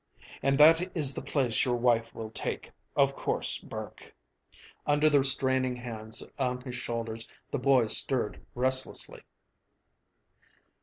And that is the place your wife will take, of course, Burke." Under the restraining hands on his shoulders the boy stirred restlessly.